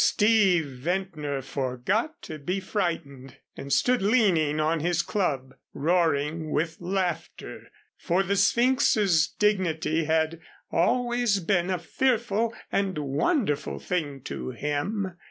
Steve Ventnor forgot to be frightened and stood leaning on his club roaring with laughter, for the Sphynx's dignity had always been a fearful and wonderful thing to him.